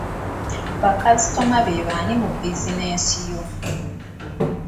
Bakasitoma be bani mu bizinensi yo?